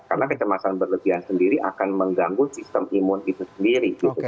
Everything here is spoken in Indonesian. karena kecemasan berlebihan sendiri akan mengganggu sistem imun itu sendiri